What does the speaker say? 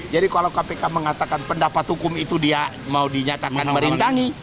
jadi kalau kpk mengatakan pendapat hukum itu dia mau dinyatakan merintangi